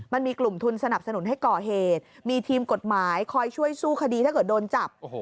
มันมีกลุ่มทุนสนับสนุนให้ก่อเหตุมีทีมกฎหมายคอยช่วยสู้คดีถ้าเกิดโดนจับ